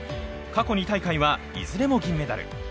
過去２大会はいずれも銀メダル。